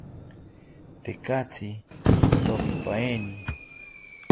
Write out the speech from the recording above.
Tekatzi itomipaeni